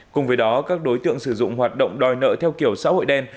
cùng với đó các đối tượng sử dụng hoạt động đòi nợ theo kiểu xã hội đen